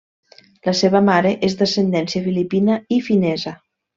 La seva mare és d'ascendència filipina i finesa.